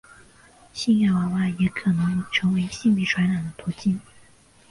性爱娃娃也可能成为性病传染的途径。